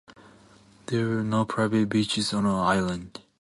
There are no private beaches on the island.